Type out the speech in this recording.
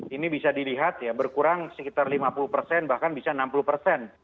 ini bisa dilihat ya berkurang sekitar lima puluh persen bahkan bisa enam puluh persen